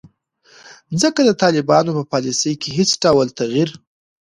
ځکه د طالبانو په پالیسیو کې هیڅ ډول تغیر